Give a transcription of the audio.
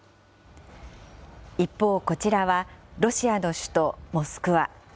一方、こちらはロシアの首都モスクワ。